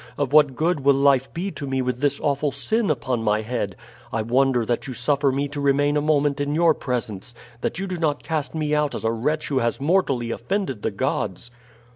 Of what good will life be to me with this awful sin upon my head? I wonder that you suffer me to remain a moment in your presence that you do not cast me out as a wretch who has mortally offended the gods."